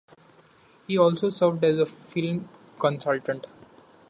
He also served as a film consultant.